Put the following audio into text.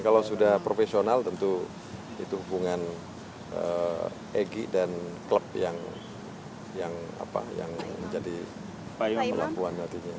kalau sudah profesional tentu itu hubungan eg dan klub yang apa yang menjadi melampauan nantinya